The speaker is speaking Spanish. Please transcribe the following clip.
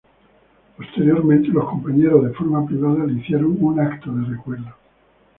Posteriormente, los compañeros de forma privada le hicieron un acto de recuerdo.